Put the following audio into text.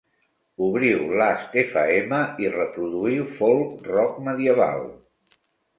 Obriu Last Fm i reproduïu folk rock medieval